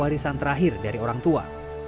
dan warisan terakhir dari orang tua